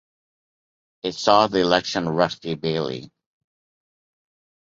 It saw the election of Rusty Bailey.